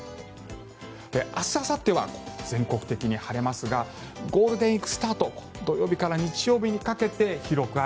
明日あさっては全国的に晴れますがゴールデンウィークスタート土曜日から日曜日にかけて広く雨。